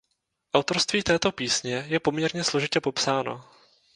Autorství této písně je poměrně složitě popsáno.